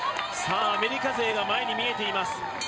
アメリカ勢が前に見えています。